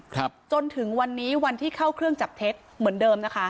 ครับจนถึงวันนี้วันที่เข้าเครื่องจับเท็จเหมือนเดิมนะคะ